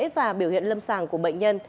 và biểu hiện lâm sàng của bệnh nhân